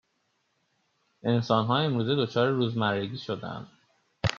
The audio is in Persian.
انسان ها امروزه دچار روزمرگی شده اند